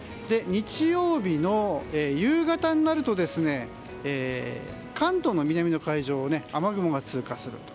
日曜日の夕方になると関東の南の海上を雨雲が通過する。